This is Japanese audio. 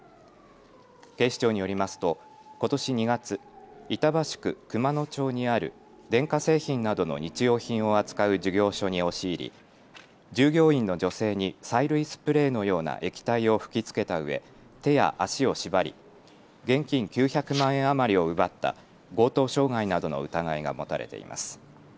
警視庁によりますとことし２月、板橋区熊野町にある電化製品などの日用品を扱う事業所に押し入り従業員の女性に催涙スプレーのような液体を吹きつけたうえ手や足を縛り、現金９００万円余りを奪った強盗傷害などの疑いが持たれています。